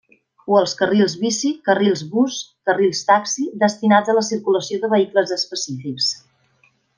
O els carrils bici, carrils bus, carrils taxi, destinats a la circulació de vehicles específics.